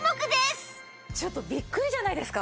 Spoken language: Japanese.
ちょっとびっくりじゃないですか？